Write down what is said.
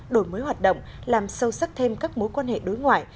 đổi mới hoạt động làm sâu sắc thêm các mối quan hệ đối ngoại